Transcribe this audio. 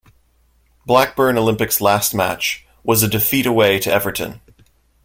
Blackburn Olympic's last match was a defeat away to Everton.